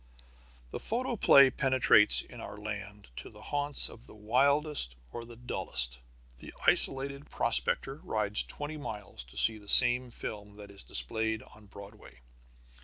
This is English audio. The photoplay penetrates in our land to the haunts of the wildest or the dullest. The isolated prospector rides twenty miles to see the same film that is displayed on Broadway.